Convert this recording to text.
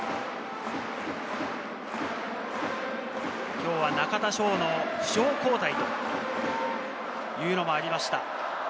今日は中田翔の負傷交代というのもありました。